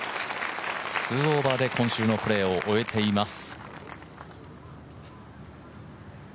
２オーバーで今週のプレーを終えています。